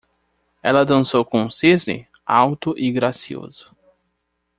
Ela dançou como um cisne? alto e gracioso.